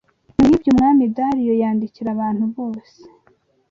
Nyuma y’ibyo Umwami Dariyo yandikira abantu bose